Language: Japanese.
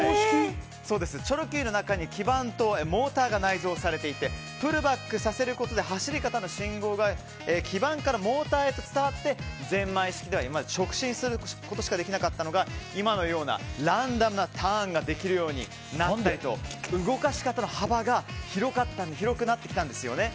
チョロＱの中に基板とモーターが内蔵されていてプルバックさせることで走り方の信号が基板からモーターへと伝わってぜんまい式では直進することしかできなかったのが今のようなランダムなターンができるようになったりと動かし方の幅が広くなってきたんですよね。